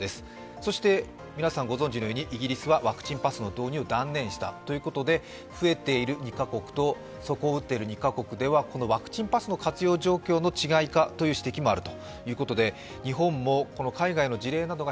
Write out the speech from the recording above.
そして皆さんご存じのようにイギリスはワクチンパスの導入を断念したということで増えている２カ国と底を打っている２カ国ではこのワクチンパスの活用状況の違いかという指摘もあります。